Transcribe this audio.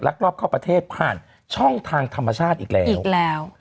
รอบเข้าประเทศผ่านช่องทางธรรมชาติอีกแล้ว